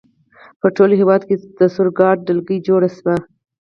په ټول هېواد کې د سور ګارډ ډلګۍ جوړې شوې.